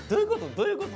どういうこと？